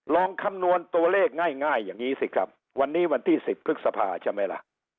ลองคำนวณตัวเลขง่ายง่ายอย่างงี้สิครับวันนี้วันที่สิบครึกสะพาใช่ไหมล่ะ